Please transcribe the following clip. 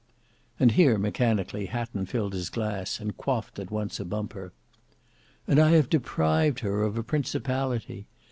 And here mechanically Hatton filled his glass, and quaffed at once a bumper. "And I have deprived her of a principality!